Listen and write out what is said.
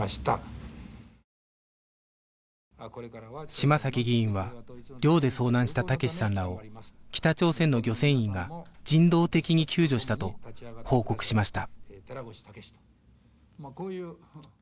嶋崎議員は漁で遭難した武志さんらを北朝鮮の漁船員が人道的に救助したと報告しました